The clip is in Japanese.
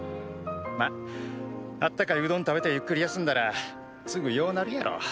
まっあったかいうどん食べてゆっくり休んだらすぐようなるやろ。